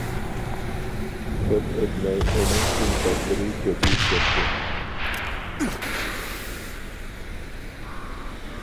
كۆپ ئۆتمەي ئۇنىڭ ئۈلپەتلىرى كۆپىيىپ كەتتى.